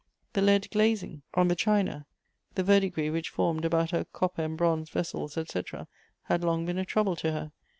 The lead glazing on the china, the verdigris which formed about her copper and bronze vessels, &c., had long been a trouble to her.